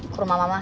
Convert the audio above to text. ke rumah mama